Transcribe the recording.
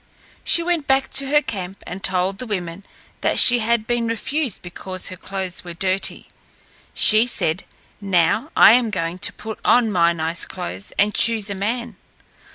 She went back to her camp and told the women that she had been refused because her clothes were dirty. She said, "Now, I am going to put on my nice clothes and choose a man.